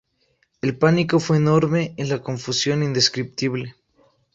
El pánico fue enorme y la confusión indescriptible.